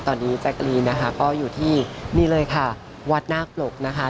ตอนนี้แจ๊กรีนนะคะก็อยู่ที่นี่เลยค่ะวัดนาคปรกนะคะ